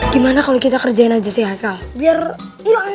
gimana kalau kita kerjain aja biar hilang